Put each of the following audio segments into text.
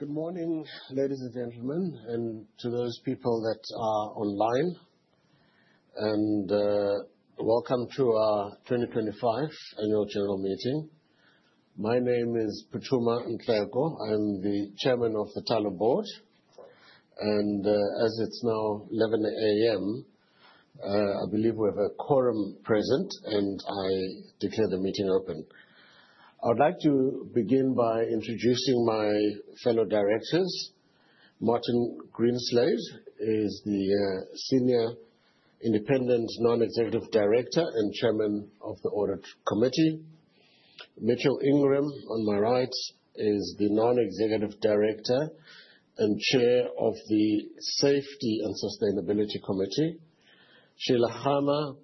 Good morning, ladies and gentlemen, and to those people that are online, and welcome to our 2025 Annual General Meeting. My name is Puthuma Nhleko. I'm the Chairman of the Tullow Board, and as it's now 11:00 A.M., I believe we have a quorum present, and I declare the meeting open. I would like to begin by introducing my fellow directors. Martin Greenslade is the Senior Independent Non-Executive Director and Chairman of the Audit Committee. Mitchell Ingram, on my right, is the Non-Executive Director and Chair of the Safety and Sustainability Committee. Sheila Hammer,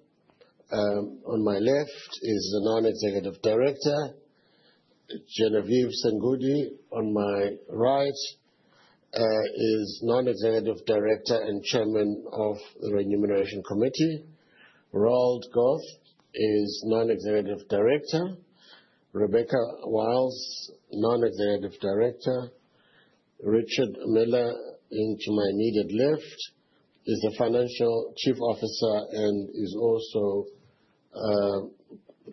on my left, is the Non-Executive Director. Genevieve Sangudi, on my right, is Non-Executive Director and Chairman of the Remuneration Committee. Roald Goethe is Non-Executive Director. Rebecca Wiles, Non-Executive Director. Richard Miller, to my immediate left, is the Chief Financial Officer and is also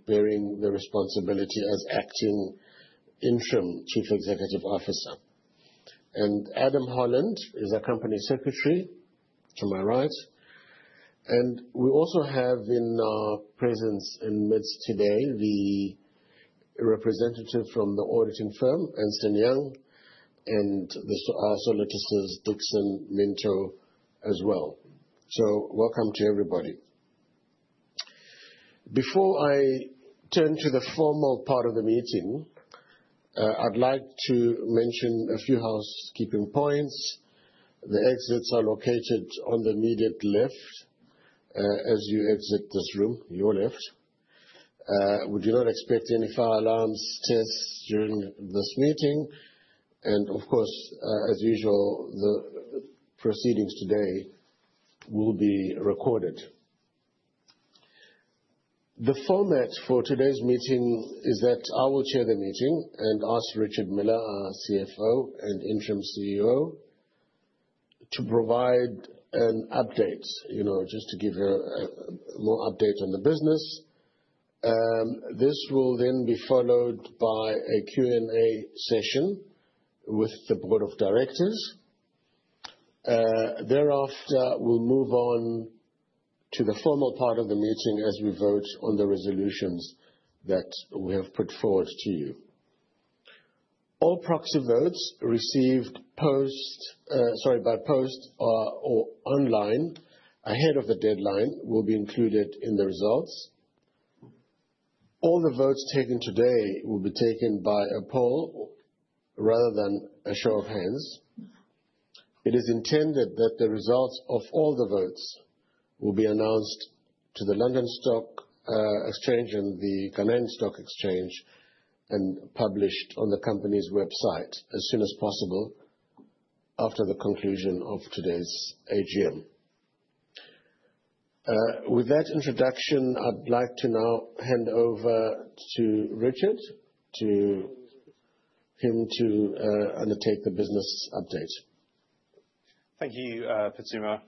bearing the responsibility as Acting Interim Chief Executive Officer. Adam Holland is a Company Secretary, to my right. We also have in our presence and midst today the representative from the auditing firm, Ernst & Young, and the solicitors, Dixon, Minto as well. Welcome to everybody. Before I turn to the formal part of the meeting, I'd like to mention a few housekeeping points. The exits are located on the immediate left as you exit this room, your left. We do not expect any fire alarms tests during this meeting. Of course, as usual, the proceedings today will be recorded. The format for today's meeting is that I will chair the meeting and ask Richard Miller, our CFO and Interim CEO, to provide an update, you know, just to give you a more update on the business. This will then be followed by a Q&A session with the Board of Directors. Thereafter, we'll move on to the formal part of the meeting as we vote on the resolutions that we have put forward to you. All proxy votes received by post or online ahead of the deadline will be included in the results. All the votes taken today will be taken by a poll rather than a show of hands. It is intended that the results of all the votes will be announced to the London Stock Exchange and the Canadian Stock Exchange and published on the company's website as soon as possible after the conclusion of today's AGM. With that introduction, I'd like to now hand over to Richard for him to undertake the business update. Thank you, Puthuma.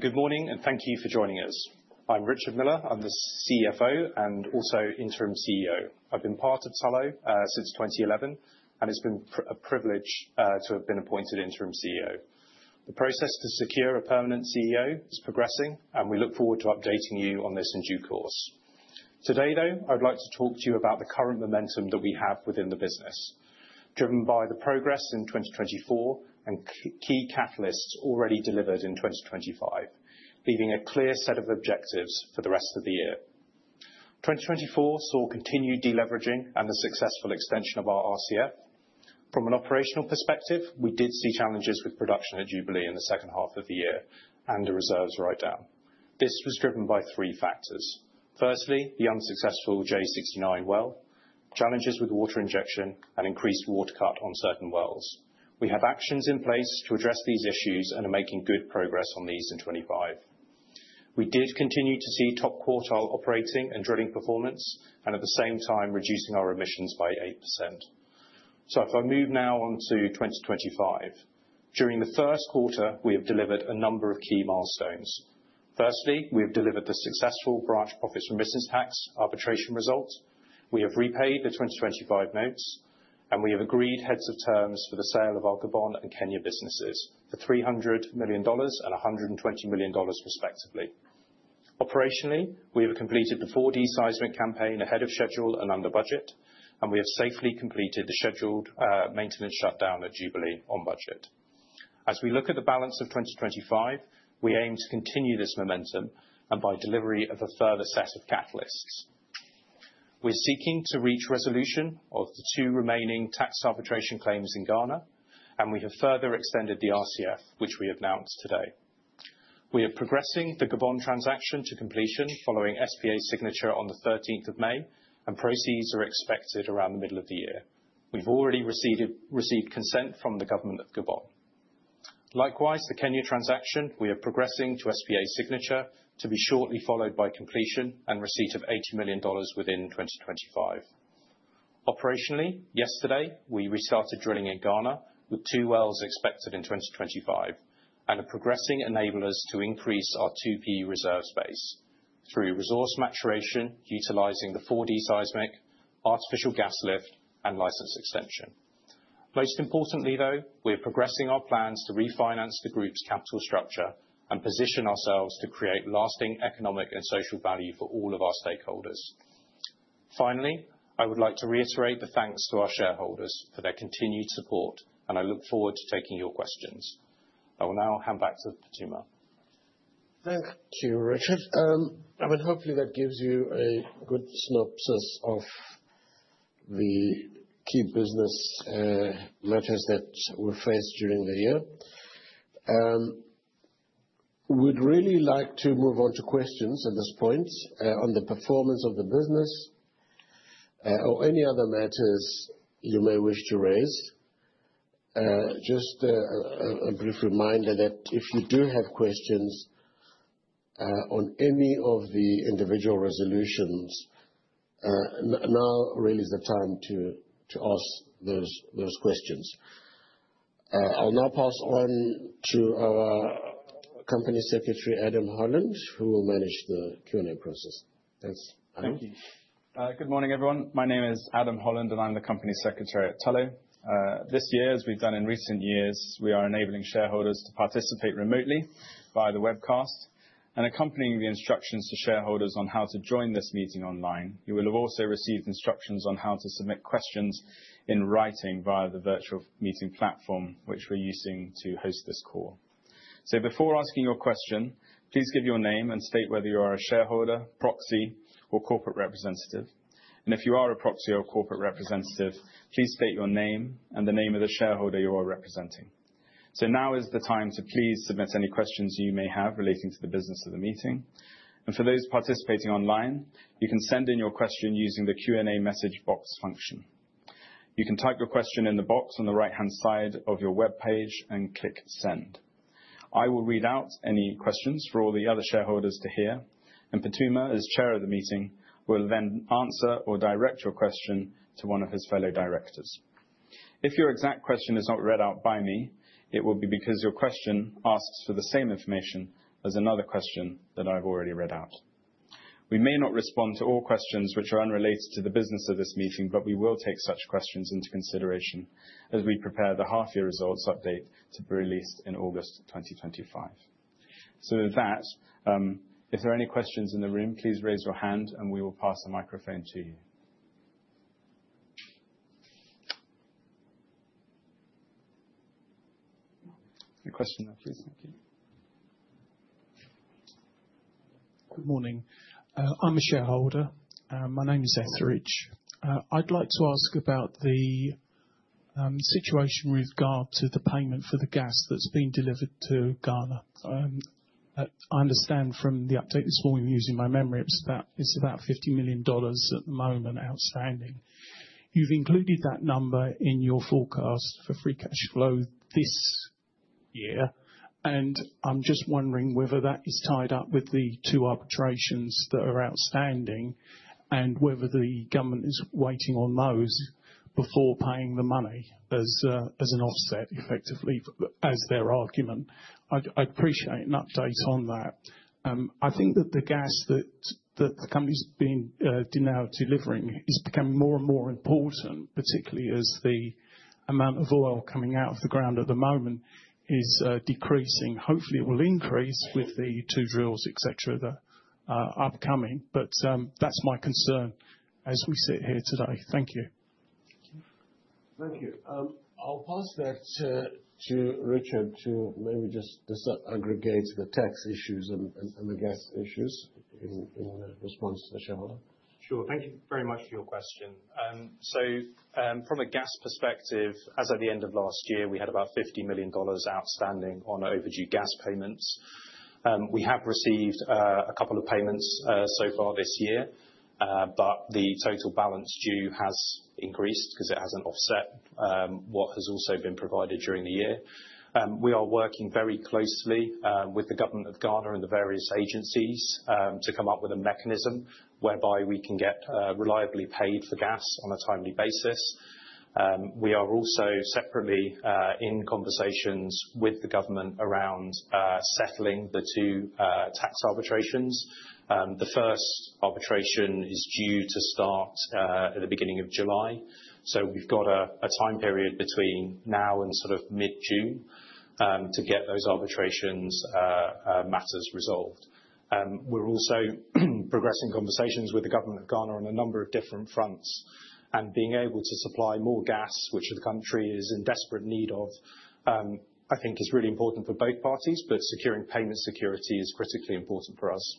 Good morning, and thank you for joining us. I'm Richard Miller. I'm the CFO and also Interim CEO. I've been part of Tullow since 2011, and it's been a privilege to have been appointed Interim CEO. The process to secure a permanent CEO is progressing, and we look forward to updating you on this in due course. Today, though, I would like to talk to you about the current momentum that we have within the business, driven by the progress in 2024 and key catalysts already delivered in 2025, leaving a clear set of objectives for the rest of the year. 2024 saw continued deleveraging and the successful extension of our RCF. From an operational perspective, we did see challenges with production at Jubilee in the second half of the year and a reserves write-down. This was driven by three factors. Firstly, the unsuccessful J69 well, challenges with water injection, and increased water cut on certain wells. We have actions in place to address these issues and are making good progress on these in 2025. We did continue to see top quartile operating and drilling performance and at the same time reducing our emissions by 8%. If I move now on to 2025, during the first quarter, we have delivered a number of key milestones. Firstly, we have delivered the successful branch profits from business tax arbitration result. We have repaid the 2025 notes, and we have agreed Heads of Terms for the sale of our Gabon and Kenya businesses for $300 million and $120 million, respectively. Operationally, we have completed the 4D seismic campaign ahead of schedule and under budget, and we have safely completed the scheduled maintenance shutdown at Jubilee on budget. As we look at the balance of 2025, we aim to continue this momentum and by delivery of a further set of catalysts. We're seeking to reach resolution of the two remaining tax arbitration claims in Ghana, and we have further extended the RCF, which we have announced today. We are progressing the Gabon transaction to completion following SPA signature on the 13th of May, and proceeds are expected around the middle of the year. We've already received consent from the government of Gabon. Likewise, the Kenya transaction, we are progressing to SPA signature to be shortly followed by completion and receipt of $80 million within 2025. Operationally, yesterday, we restarted drilling in Ghana with two wells expected in 2025 and are progressing enablers to increase our 2P reserve space through resource maturation, utilizing the 4D seismic, artificial gas lift, and license extension. Most importantly, though, we are progressing our plans to refinance the group's capital structure and position ourselves to create lasting economic and social value for all of our stakeholders. Finally, I would like to reiterate the thanks to our shareholders for their continued support, and I look forward to taking your questions. I will now hand back to Puthuma. Thank you, Richard. I mean, hopefully that gives you a good synopsis of the key business matters that were faced during the year. We'd really like to move on to questions at this point on the performance of the business or any other matters you may wish to raise. Just a brief reminder that if you do have questions on any of the individual resolutions, now really is the time to ask those questions. I'll now pass on to our Company Secretary, Adam Holland, who will manage the Q&A process. Thanks. Thank you. Good morning, everyone. My name is Adam Holland, and I'm the Company Secretary at Tullow. This year, as we've done in recent years, we are enabling shareholders to participate remotely via the webcast and accompanying the instructions to shareholders on how to join this meeting online. You will have also received instructions on how to submit questions in writing via the virtual meeting platform, which we're using to host this call. Before asking your question, please give your name and state whether you are a shareholder, proxy, or corporate representative. If you are a proxy or corporate representative, please state your name and the name of the shareholder you are representing. Now is the time to please submit any questions you may have relating to the business of the meeting. For those participating online, you can send in your question using the Q&A message box function. You can type your question in the box on the right-hand side of your web page and click Send. I will read out any questions for all the other shareholders to hear, and Puthuma, as Chair of the meeting, will then answer or direct your question to one of his fellow directors. If your exact question is not read out by me, it will be because your question asks for the same information as another question that I have already read out. We may not respond to all questions which are unrelated to the business of this meeting, but we will take such questions into consideration as we prepare the half-year results update to be released in August 2025. With that, if there are any questions in the room, please raise your hand and we will pass a microphone to you. A question there, please. Thank you. Good morning. I'm a shareholder. My name is Etheridge. I'd like to ask about the situation with regard to the payment for the gas that's been delivered to Ghana. I understand from the update this morning, using my memory, it's about $50 million at the moment outstanding. You've included that number in your forecast for free cash flow this year, and I'm just wondering whether that is tied up with the two arbitrations that are outstanding and whether the government is waiting on those before paying the money as an offset, effectively, as their argument. I'd appreciate an update on that. I think that the gas that the company's been now delivering is becoming more and more important, particularly as the amount of oil coming out of the ground at the moment is decreasing. Hopefully, it will increase with the two drills, et cetera, that are upcoming. That's my concern as we sit here today. Thank you. Thank you. I'll pass that to Richard to maybe just disaggregate the tax issues and the gas issues in response to the shareholder. Sure. Thank you very much for your question. From a gas perspective, as of the end of last year, we had about $50 million outstanding on overdue gas payments. We have received a couple of payments so far this year, but the total balance due has increased because it has not offset what has also been provided during the year. We are working very closely with the government of Ghana and the various agencies to come up with a mechanism whereby we can get reliably paid for gas on a timely basis. We are also separately in conversations with the government around settling the two tax arbitrations. The first arbitration is due to start at the beginning of July. We have a time period between now and sort of mid-June to get those arbitration matters resolved. We're also progressing conversations with the government of Ghana on a number of different fronts. Being able to supply more gas, which the country is in desperate need of, I think is really important for both parties, but securing payment security is critically important for us.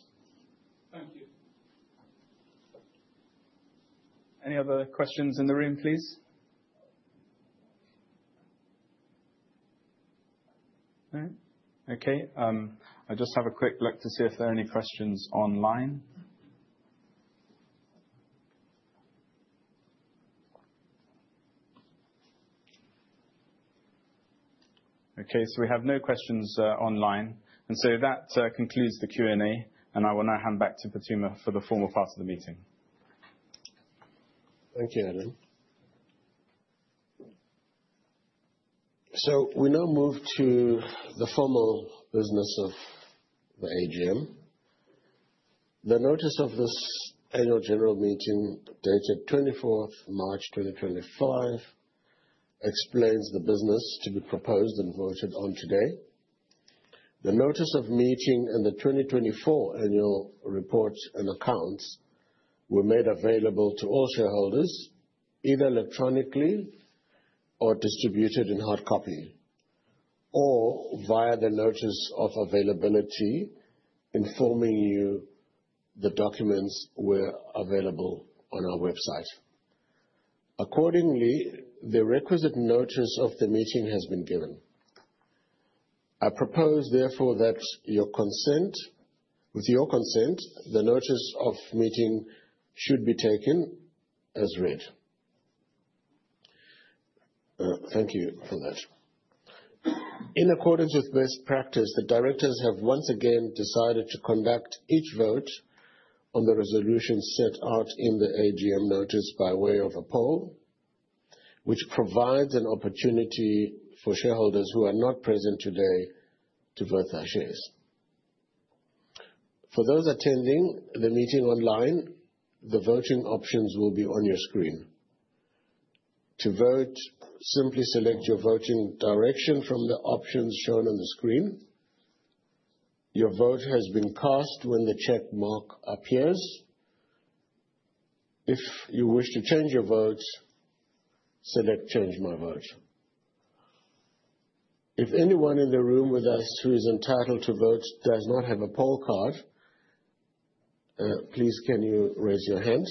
Thank you. Any other questions in the room, please? All right. Okay. I just have a quick look to see if there are any questions online. Okay. We have no questions online. That concludes the Q&A, and I will now hand back to Phuthuma for the formal part of the meeting. Thank you, Adam. We now move to the formal business of the AGM. The notice of this Annual General meeting dated 24th March 2025 explains the business to be proposed and voted on today. The notice of meeting and the 2024 annual reports and accounts were made available to all shareholders either electronically or distributed in hard copy or via the notice of availability informing you the documents were available on our website. Accordingly, the requisite notice of the meeting has been given. I propose, therefore, with your consent, the Notice of Meeting should be taken as read. Thank you for that. In accordance with best practice, the directors have once again decided to conduct each vote on the resolution set out in the AGM notice by way of a poll, which provides an opportunity for shareholders who are not present today to vote their shares. For those attending the meeting online, the voting options will be on your screen. To vote, simply select your voting direction from the options shown on the screen. Your vote has been cast when the check mark appears. If you wish to change your vote, select "Change my vote." If anyone in the room with us who is entitled to vote does not have a poll card, please, can you raise your hand?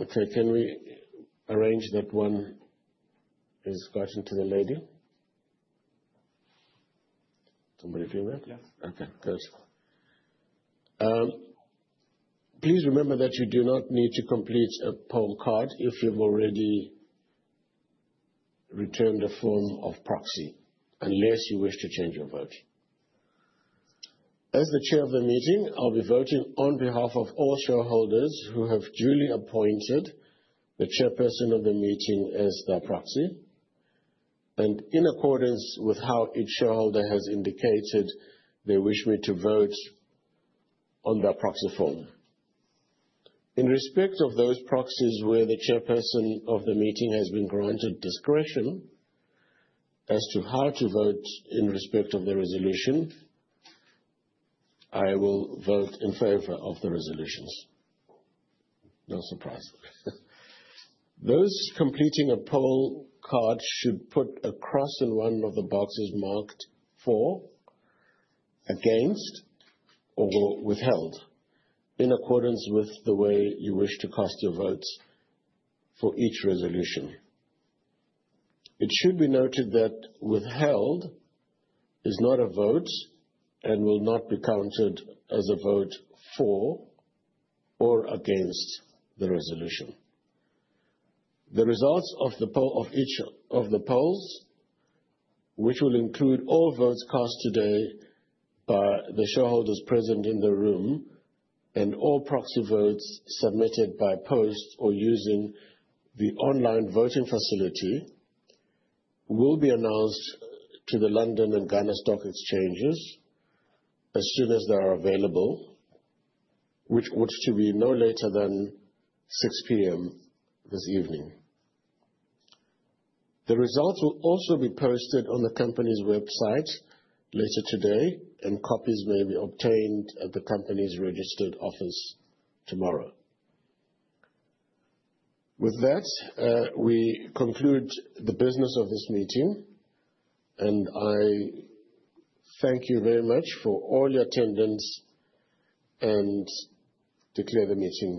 Okay. Can we arrange that one is got into the lady? Somebody do that? Yes. Okay. Good. Please remember that you do not need to complete a poll card if you've already returned a form of proxy, unless you wish to change your vote. As the chair of the meeting, I'll be voting on behalf of all shareholders who have duly appointed the chairperson of the meeting as their proxy, and in accordance with how each shareholder has indicated they wish me to vote on their proxy form. In respect of those proxies where the chairperson of the meeting has been granted discretion as to how to vote in respect of the resolution, I will vote in favor of the resolutions. No surprise. Those completing a poll card should put a cross in one of the boxes marked For, Against, or Withheld in accordance with the way you wish to cast your votes for each resolution. It should be noted that withheld is not a vote and will not be counted as a vote for or against the resolution. The results of the poll of each of the polls, which will include all votes cast today by the shareholders present in the room and all proxy votes submitted by post or using the online voting facility, will be announced to the London and Ghana Stock Exchanges as soon as they are available, which ought to be no later than 6:00 P.M. this evening. The results will also be posted on the company's website later today, and copies may be obtained at the company's registered office tomorrow. With that, we conclude the business of this meeting, and I thank you very much for all your attendance and declare the meeting.